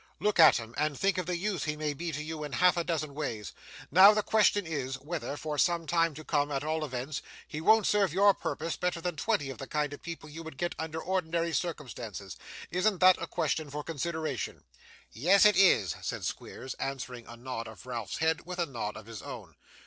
Look at him, and think of the use he may be to you in half a dozen ways! Now, the question is, whether, for some time to come at all events, he won't serve your purpose better than twenty of the kind of people you would get under ordinary circumstances. Isn't that a question for consideration?' 'Yes, it is,' said Squeers, answering a nod of Ralph's head with a nod of his own.